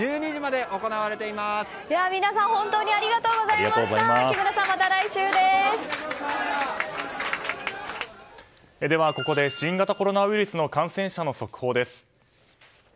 では、ここで新型コロナウイルスの感染者の速報です。